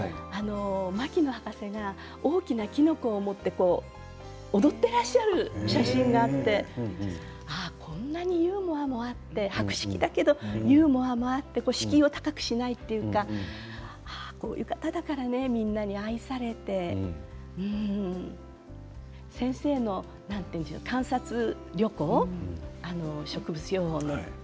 牧野博士が大きなきのこを持って踊ってらっしゃる写真があってこんなにユーモアもあって博識だけどユーモアもあって敷居を高くしないというかこういう方だからみんなに愛されて先生の観察旅行、植物標本の。